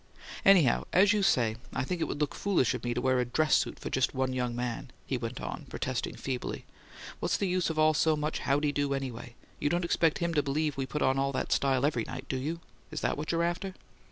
"Anyhow, as you say, I think it would look foolish of me to wear a dress suit for just one young man," he went on protesting, feebly. "What's the use of all so much howdy do, anyway? You don't expect him to believe we put on all that style every night, do you? Is that what you're after?"